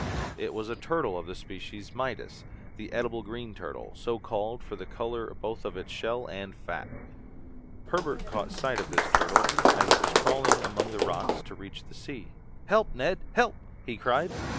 It was a turtle of the species Midas, the edible green turtle, so called from the colour both of its shell and fat. Herbert caught sight of this turtle as it was crawling among the rocks to reach the sea. "Help, Neb, help!" he cried.